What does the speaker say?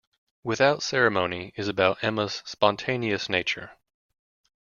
"Without Ceremony" is about Emma's spontaneous nature.